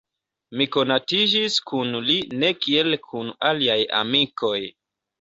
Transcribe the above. Mi konatiĝis kun li ne kiel kun aliaj amikoj.